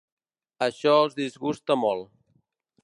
Això el disgusta molt.